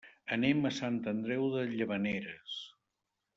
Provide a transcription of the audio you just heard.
Anem a Sant Andreu de Llavaneres.